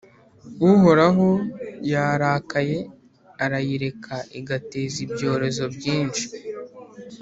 Uhoraho yarakaye arayireka igateza ibyorezo byinshi,